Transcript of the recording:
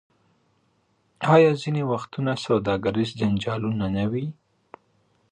آیا ځینې وختونه سوداګریز جنجالونه نه وي؟